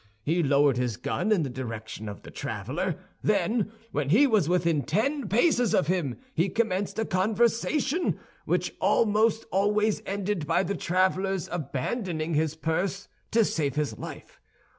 He lowered his gun in the direction of the traveler; then, when he was within ten paces of him, he commenced a conversation which almost always ended by the traveler's abandoning his purse to save his life.